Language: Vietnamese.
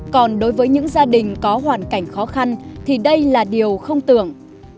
còn đối với những gia đình có hoàn cảnh khó khăn thì đây là điều không tưởng